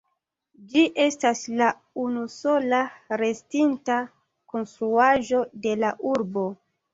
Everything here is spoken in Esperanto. Ĝi estas la unusola restinta konstruaĵo de la urbo.